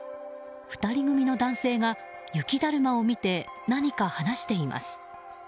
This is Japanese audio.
２人組の男性が雪だるまを見て何か話しています。